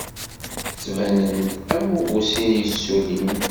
Ttbanen-d am ubusin yessullin.